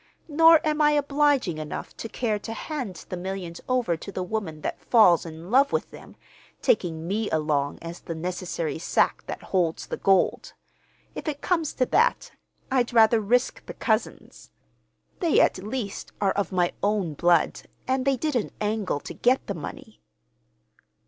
Nor am I obliging enough to care to hand the millions over to the woman that falls in love with them, taking me along as the necessary sack that holds the gold. If it comes to that, I'd rather risk the cousins. They, at least, are of my own blood, and they didn't angle to get the money."